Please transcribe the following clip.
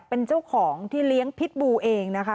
เป็นเจ้าของที่เลี้ยงพิษบูเองนะคะ